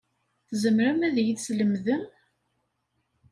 Tzemrem ad iyi-teslemdem?